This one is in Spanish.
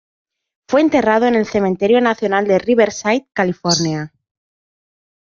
Fue enterrado en el Cementerio Nacional de Riverside, California.